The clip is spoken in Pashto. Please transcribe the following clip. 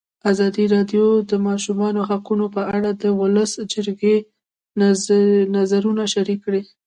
ازادي راډیو د د ماشومانو حقونه په اړه د ولسي جرګې نظرونه شریک کړي.